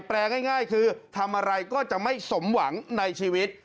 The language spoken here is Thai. แปลง่ายคือทำอะไรก็จะไม่สมหวังในชีวิต